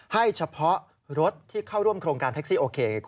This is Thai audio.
ให้เฉพาะรถที่เข้าร่วมโครงการแท็กซี่โอเค